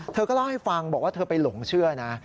เธอก็เล่าให้ฟังบอกว่าเธอไปหลงเชื่อนะ